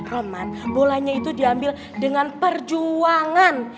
reman bolanya itu diambil dengan perjuangan